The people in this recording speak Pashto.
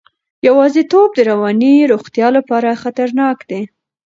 یوازیتوب د رواني روغتیا لپاره خطرناک دی.